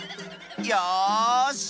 よし！